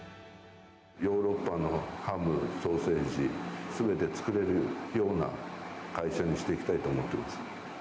ヨーロッパのハム、ソーセージ、すべて作れるような会社にしていきたいと思っています。